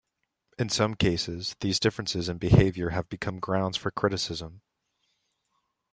In some cases, these differences in behavior have become grounds for criticism.